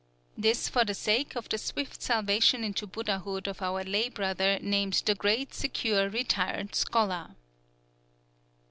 _" This for the sake of the swift salvation into Buddhahood of our lay brother named the Great Secure Retired Scholar.